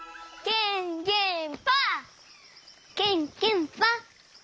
ケンケンパ。